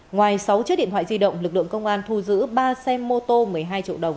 ngoài sáu chiếc điện thoại di động lực lượng công an thu giữ ba xe mô tô một mươi hai triệu đồng